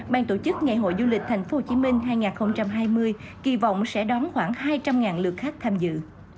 ban tổ chức ngày hội du lịch tp hcm hai nghìn hai mươi kỳ vọng sẽ đón khoảng hai trăm linh lượt khách tham dự